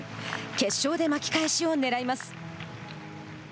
決勝で巻き返しをねらいます。